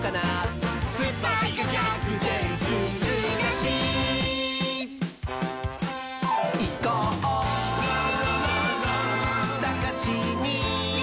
「スパイがぎゃくてんするらしい」「いこうさがしに！」